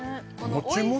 もちもち